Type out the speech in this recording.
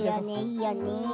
いいよね。